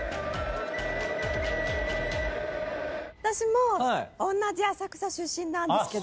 私もおんなじ浅草出身なんですけど。